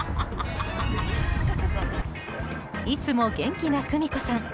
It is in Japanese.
いつも元気な久美子さん。